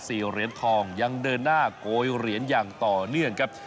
เหรียญทองยังเดินหน้าโกยเหรียญอย่างต่อเนื่องครับ